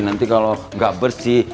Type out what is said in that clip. nanti kalau nggak bersih